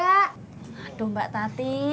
aduh mbak tati